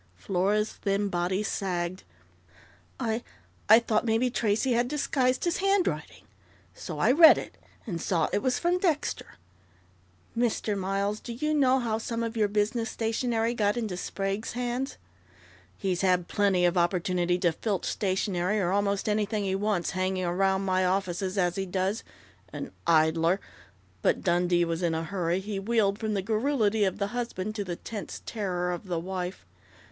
Flora's thin body sagged. "I I thought maybe Tracey had disguised his Handwriting.... So I read it, and saw it was from Dexter " "Mr. Miles, do you know how some of your business stationery got into Sprague's hands?" "He's had plenty of opportunity to filch stationery or almost anything he wants, hanging around my offices, as he does an idler " But Dundee was in a hurry. He wheeled from the garrulity of the husband to the tense terror of the wife.